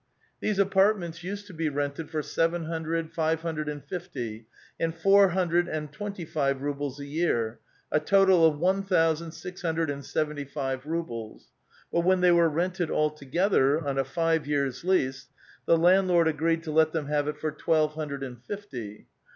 These apartments used to be rented for seven hundred, five hundred and fifty, and four hundred and twenty five rubles a year, a total of one thousand six hundred and seven tv five rubles. But when thev were rented all together on a five years' lease, the landlord agreed to let them have it for twelve hundred and fifty.